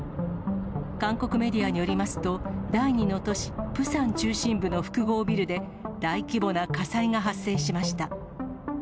韓国メディアによりますと、第２の都市、プサン中心部の複合ビルで、大規模な火災が発生しました。